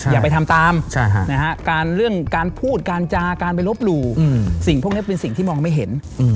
ใช่อย่าไปทำตามใช่ฮะนะฮะการเรื่องการพูดการจาการไปลบหลู่อืมสิ่งพวกนี้เป็นสิ่งที่มองไม่เห็นอืม